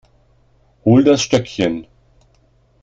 Hol das Stöckchen.